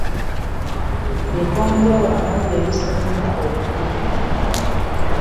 Bye twanja wano bye bisinga obukulu.